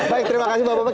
baik terima kasih pak bapak